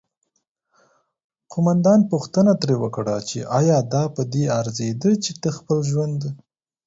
قوماندان پوښتنه ترې وکړه چې آیا دا پدې ارزیده چې ته خپل ژوند